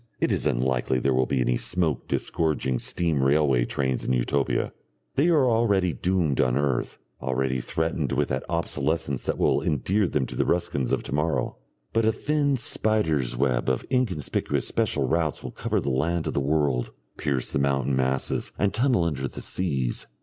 It is unlikely there will be any smoke disgorging steam railway trains in Utopia, they are already doomed on earth, already threatened with that obsolescence that will endear them to the Ruskins of to morrow, but a thin spider's web of inconspicuous special routes will cover the land of the world, pierce the mountain masses and tunnel under the seas.